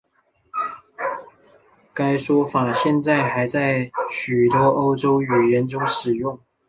该说法现在还在许多欧洲语言中使用。